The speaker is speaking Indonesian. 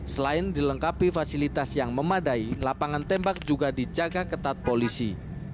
selain dilengkapi fasilitas yang memadai lapangan tembak juga dijaga ketat polisi